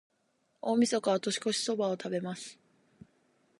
大晦日は、年越しそばを食べます。